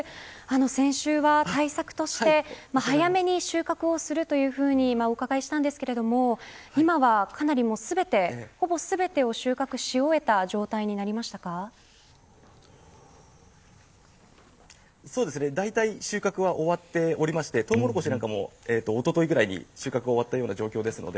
先週は、対策として早めに収穫をするというふうにお伺いしたんですが今は、かなりほぼ全てを収穫した状態にだいたい収穫は終わっていてトウモロコシもおとといぐらいに収穫が終わった状況です。